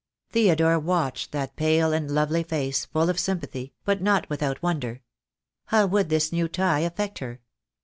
Theodore watched that pale and lovely face, full of sympathy, but not without wonder. How would this new tie affect her?